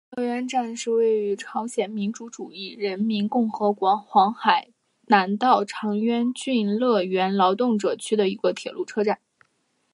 乐渊站是位于朝鲜民主主义人民共和国黄海南道长渊郡乐渊劳动者区的一个铁路车站。